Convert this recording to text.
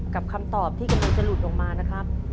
คำตอบที่กำลังจะหลุดลงมานะครับ